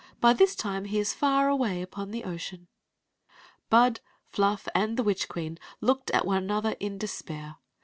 By this time he is far away upon the ocean. ^ Bud, Fluft and the wtteh cpeeii kx^^ ^ one an other tn despair.